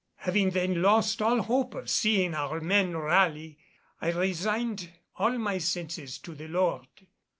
Having then lost all hope of seeing our men rally, I resigned all my senses to the Lord.